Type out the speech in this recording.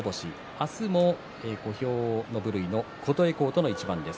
明日も小兵の部類の琴恵光との一番です。